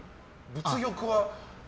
物欲は。